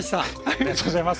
ありがとうございます。